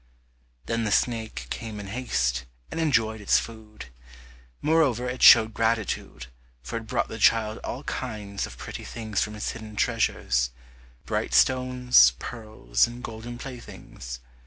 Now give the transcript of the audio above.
Then the snake came in haste, and enjoyed its food. Moreover it showed gratitude, for it brought the child all kinds of pretty things from its hidden treasures, bright stones, pearls, and golden playthings.